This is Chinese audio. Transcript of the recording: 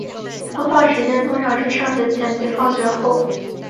播放时间通常是上学前及放学后。